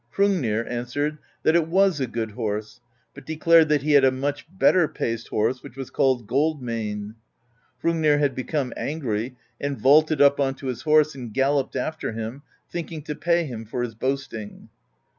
Hrungnir answered that it was a good horse, but declared that he had a much better paced horse which was called Gold Mane. Hrungnir had become angry, and vaulted up onto his horse and galloped after him, thinking to pay him for his boasting.